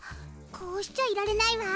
こうしちゃいられないわ。